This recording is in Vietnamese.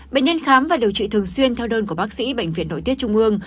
bệnh nhân khám và điều trị thường xuyên theo đơn của bác sĩ bệnh viện nội tiết trung ương